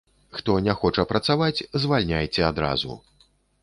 Хто не хоча працаваць, звальняйце адразу.